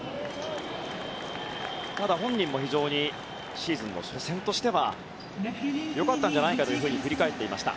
ただ、本人も非常にシーズンの初戦としては良かったんじゃないかと振り返っていました。